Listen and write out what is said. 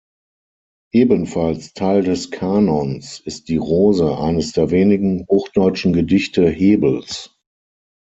Ebenfalls Teil des Kanons ist "Die Rose", eines der wenigen hochdeutschen Gedichte Hebels.